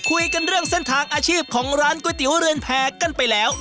คุยกันเรื่องเส้นทางอาชีพของร้านก๋วยเตี๋ยวเรือนแพรกันไปแล้ว